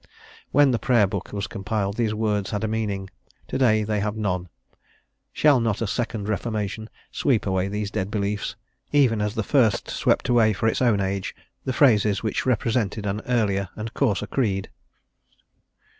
When the Prayer Book was compiled these words had a meaning; to day they have none. Shall not a second Reformation sweep away these dead beliefs, even as the first away for its own age the phrases which represented an earlier and coarser creed?